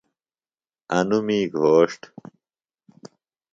انوۡ می گھوݜٹ۔